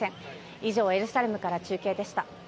以上、エルサレムから中継でした。